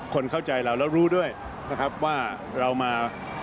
คนเข้าใจเราแล้วรู้ด้วยนะครับว่าเรามา